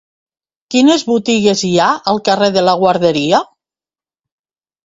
Quines botigues hi ha al carrer de la Guarderia?